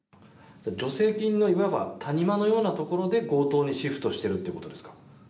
助成金のいわば谷間のようなところで強盗にシフトしているということですか。